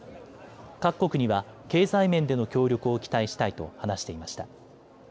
各国には経済面での協力を期待したいと話していました。